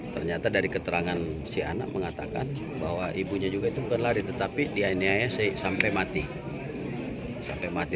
ternyata dari keterangan si anak mengatakan bahwa ibunya juga itu bukan lari tetapi dia ini sampai mati sampai mati